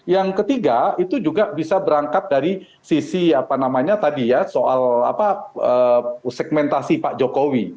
yang ketiga itu juga bisa berangkat dari sisi apa namanya tadi ya soal segmentasi pak jokowi